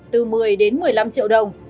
từ một mươi đến một mươi năm triệu đồng